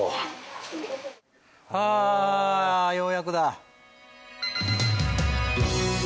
ああようやくだ。